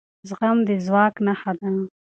زغم د ځواک نښه ده